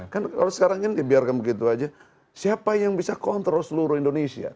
kan kalau sekarang kan dibiarkan begitu saja siapa yang bisa kontrol seluruh indonesia